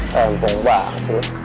tenteng banget sih